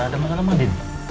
ada masalah mandi